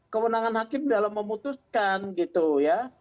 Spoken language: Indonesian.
kewenangan hakim dalam memutuskan gitu ya